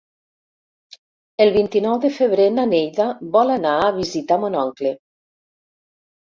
El vint-i-nou de febrer na Neida vol anar a visitar mon oncle.